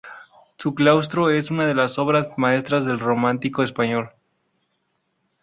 Su claustro es una de las obras maestras del románico español.